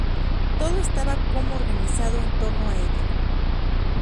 Todo estaba como organizado en torno a ella"".